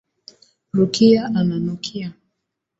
Rukia ananukia.